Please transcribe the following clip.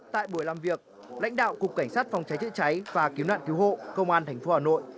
tại buổi làm việc lãnh đạo cục cảnh sát phòng cháy chữa cháy và kiếm nạn cứu hộ công an thành phố hà nội